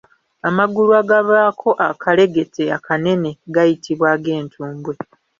Amagulu akabaako akalegete akanene gayitibwa ag’entumbwe.